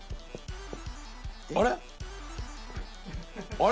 あれ？